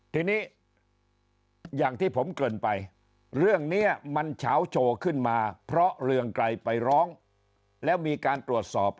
ทีนี้อย่างที่ผมเกินไปเรื่องนี้มันเฉาโชว์ขึ้นมาเพราะเรืองไกรไปร้องแล้วมีการตรวจสอบ